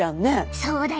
そうだよ！